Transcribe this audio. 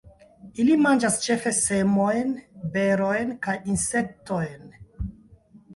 Ili manĝas ĉefe semojn, berojn kaj insektojn.